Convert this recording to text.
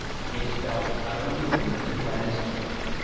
It spelled utter ruin to Glenister.